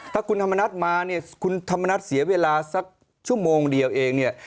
ถ้าคุณธรรมนัฐมาเนี่ยคุณธรรมนัสเสียเวลาสักชั่วโมงเดียวเองเนี่ย